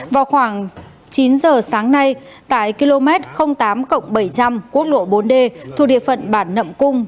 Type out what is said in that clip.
vào khoảng chín giờ sáng nay tại km tám bảy trăm linh quốc lộ bốn d thuộc địa phận bản nậm cung